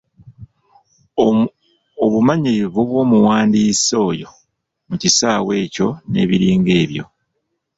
Obumanyirivu bw’omuwandiisi oyo mu kisaawe ekyo n’ebiringa ebyo.